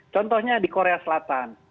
contohnya di korea selatan